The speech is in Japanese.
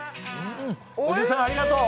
おじさん、ありがとう！